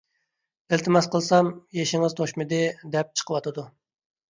ئىلتىماس قىلسام «يېشىڭىز توشمىدى» دەپ چىقىۋاتىدۇ.